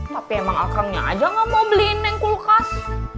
tapi emang akangnya aja gak mau beliin neng kulkas